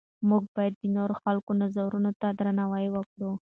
موږ باید د نورو خلکو نظرونو ته درناوی وکړو.